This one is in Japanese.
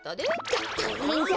たたいへんだ！